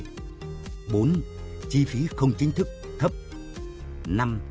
bốn môi trường kinh doanh minh bạch và thông tin kinh doanh công khai